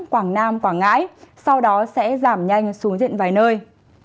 quảng nam quảng ngãi sau đó sẽ giảm nhanh xuống diện vài nơi